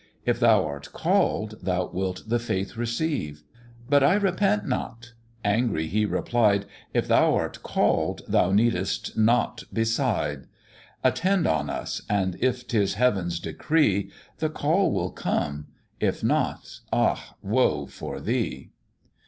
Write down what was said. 'If thou art call'd, thou wilt the faith receive.' 'But I repent not.' Angry he replied, 'If thou art call'd, though needest nought beside: Attend on us, and if 'tis Heaven's decree, The call will come, if not, ah! woe for thee.'